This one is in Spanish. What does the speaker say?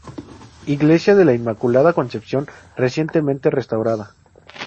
Iglesia de la Inmaculada Concepción recientemente restaurada.